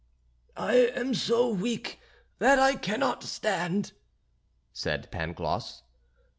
"I am so weak that I cannot stand," said Pangloss.